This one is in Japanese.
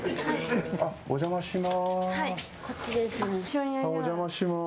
お邪魔します。